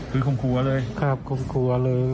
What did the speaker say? คือคมครัวเลยครับข่มครัวเลย